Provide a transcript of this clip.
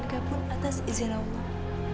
maka pun atas izin allah